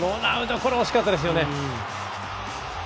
これ、惜しかったですね。